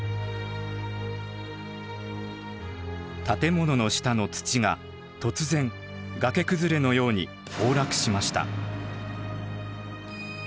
建物の下の土が突然崖崩れのように崩落しました。